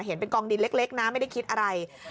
เห็นเป็นกองดินเล็กนะไม่ได้คิดอะไร